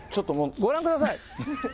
ご覧ください。